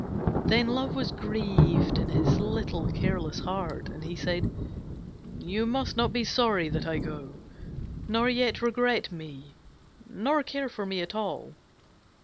Then Love was grieved in his little careless heart, and he said: 'You must not be sorry that I go, nor yet regret me, nor care for me at all.